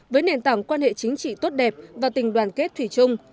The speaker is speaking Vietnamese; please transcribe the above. với nền tảng quan hệ chính trị tốt đẹp và tình đoàn kết thủy chung